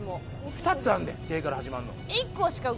２つあんねん「て」から始まるの。